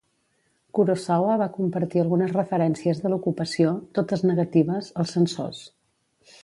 Kurosawa va compartir algunes referències de l'ocupació, totes negatives, als censors.